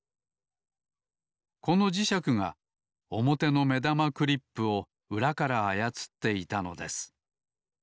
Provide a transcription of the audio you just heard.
この磁石がおもての目玉クリップをうらからあやつっていたのです。